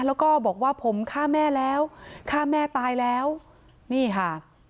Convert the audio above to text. แล้วก็บอกว่าผมฆ่าแม่แล้วฆ่าแม่ตายแล้วนี่ค่ะ